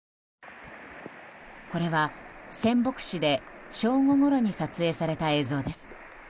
これは仙北市で正午ごろに撮影された映像です。